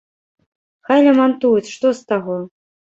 Хай лямантуюць, што з таго?!